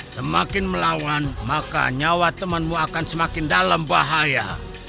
semakin melawan maka nyawa temanmu akan semakin dalam bahaya